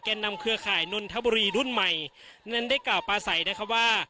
แก่นนำเครือข่ายนทบุรีรุ่นใหม่นั้นได้กล่าวประสัยนะครับว่า